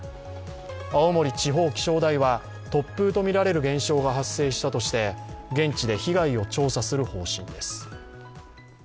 青森地方気象台は突風とみられる現象が発生したとして現地で被害を調査する方針です。